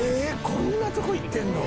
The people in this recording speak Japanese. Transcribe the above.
こんなとこ行ってんの？」